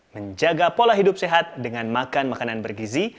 menjaga pola hidup sehat dengan makan makanan bergizi